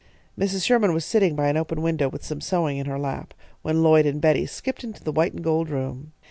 Mrs. Sherman was sitting by an open window with some sewing in her lap, when Lloyd and Betty skipped into the white and gold room.